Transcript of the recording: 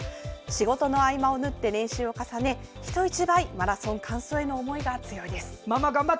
仕事の合間を縫って練習を重ね人一倍マラソン完走への思いが強いです。